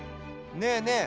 ねえねえ